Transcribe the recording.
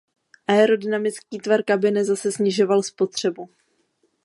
Aerodynamický tvar kabiny zase snižoval spotřebu.